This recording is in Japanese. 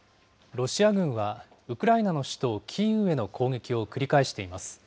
ロシア軍はウクライナの首都キーウへの攻撃を繰り返しています。